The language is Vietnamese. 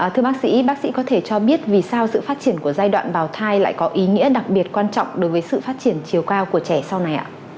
thưa bác sĩ bác sĩ có thể cho biết vì sao sự phát triển của giai đoạn bào thai lại có ý nghĩa đặc biệt quan trọng đối với sự phát triển chiều cao của trẻ sau này ạ